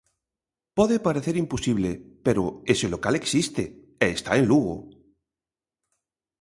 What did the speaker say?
Pode parecer imposible, pero ese local existe e está en Lugo.